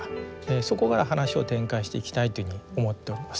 そこから話を展開していきたいというふうに思っております。